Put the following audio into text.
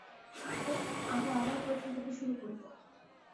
তো, আমরা আবার প্রথম থেকে শুরু করব।